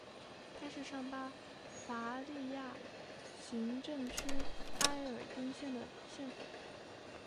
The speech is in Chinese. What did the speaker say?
它是上巴伐利亚行政区埃尔丁县的县府。